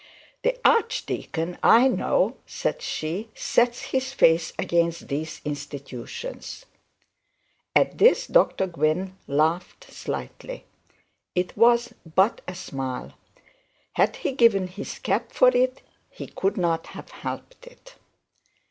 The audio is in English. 'The archdeacon, I know,' said she, 'sets his face against these institutions.' At this Dr Gwynne laughed slightly. It was but a smile. Had he given his cap for it he could not have helped it.